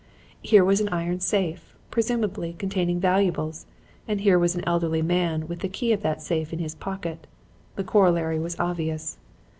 Here was an iron safe, presumably containing valuables, and here was an elderly man with the key of that safe in his pocket. The corollary was obvious.